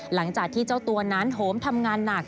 หลังจากที่เจ้าตัวนั้นโหมทำงานหนัก